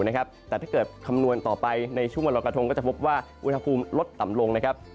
แต่ถ้าเกิดคำนวณต่อไปในช่วงวันรอยกระทงก็จะพบว่าอุณหภูมิลดต่ำลงนะครับ